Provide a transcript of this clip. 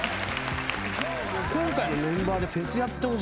今回のメンバーでフェスやってほしいですもんね。